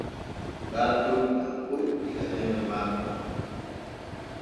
Garton tanko diga deme manko.